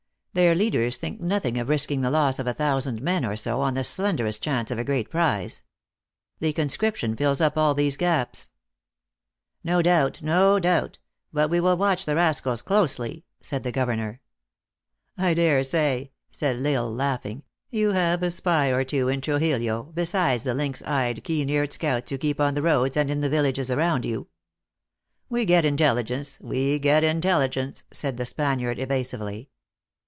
Their leaders think nothing of risking the loss of a thousand men or so, on the slenderest chance of a great prize. The conscription fills up all these gaps." " No doubt ; no doubt. But we will watch the rascals closely," said the governor. " I dare say," said L Isle laughing, " you have a spy or two in Trujillo, besides the lynx eyed, keen eared scouts you keep on the roads, and in the villages around you." " We get intelligence we get intelligence," said, the Spaniard evasively.